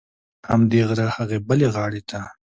موږ د همدې غره هغې بلې غاړې ته.